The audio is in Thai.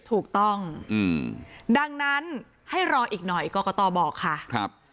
ถูกต้องดังนั้นให้รออีกหน่อยกอกกะตอบอกค่ะ